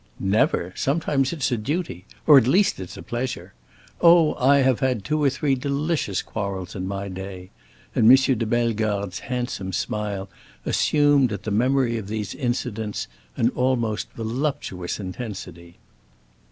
"Never! Sometimes it's a duty—or at least it's a pleasure. Oh, I have had two or three delicious quarrels in my day!" and M. de Bellegarde's handsome smile assumed, at the memory of these incidents, an almost voluptuous intensity.